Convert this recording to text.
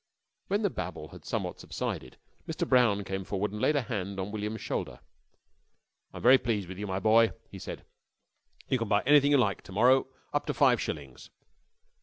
When the babel had somewhat subsided, Mr. Brown came forward and laid a hand on William's shoulder. "I'm very pleased with you, my boy," he said. "You can buy anything you like to morrow up to five shillings."